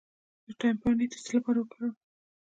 د تایم پاڼې د څه لپاره وکاروم؟